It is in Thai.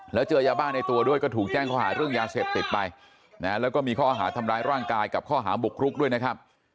แล้วเจอยาบ้าในตัวด้วยก็ถูกแจ้งข้อหาเรื่องยาเสพติดไปนะแล้วก็มีข้อหาทำร้ายร่างกายกับข้อหาบุกรุกด้วยนะครับ